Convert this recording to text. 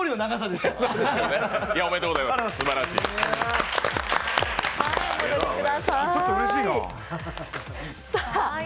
ちょっとうれしいな。